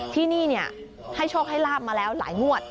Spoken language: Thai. ที่นี่ให้โชคให้ลาบมาแล้วหลายงวด